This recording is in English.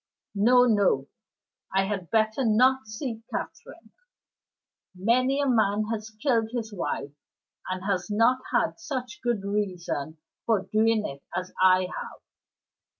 No, no; I had better not see Catherine. Many a man has killed his wife, and has not had such good reason for doing it as I have.